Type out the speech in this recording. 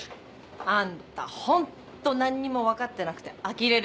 あんたホント何にも分かってなくてあきれる。